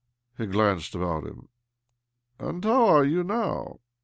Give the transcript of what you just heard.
He glanced about him. " And how are you now?